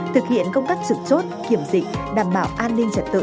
thực hiện công tác trực chốt kiểm dị đảm bảo an ninh trả tự